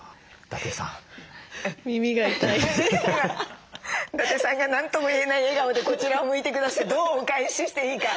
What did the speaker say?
伊達さんが何とも言えない笑顔でこちらを向いてくださってどうお返ししていいか。